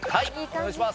お願いします。